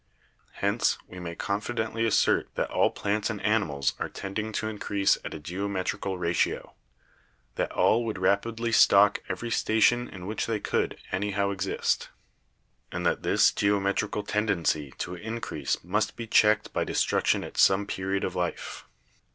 Hence we may confi dently assert that all plants and animals are tending to increase at a geometrical ratio — that all would rapidly stock every station in which they could anyhow exist — and that this geometrical tendency to increase must be checked by destruction at some period of life.